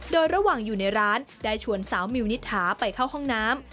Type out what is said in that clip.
โดยระหว่างอยู่ในร้านได้ชวนสาวมิวนิษฐาไปเข้าห้องน้ำ